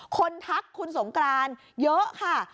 ทักคุณสงกรานเยอะค่ะ